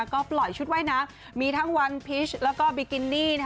ก็ปล่อยชุดว่ายน้ำมีทั้งวันพิชแล้วก็บิกินี่